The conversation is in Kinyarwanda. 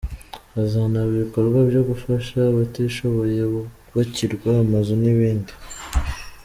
Hazanaba ibikorwa byo gufasha abatishoboye bubakirwa amazu n’ibindi.